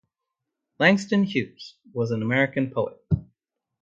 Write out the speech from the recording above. Langston Hughes was an American poet.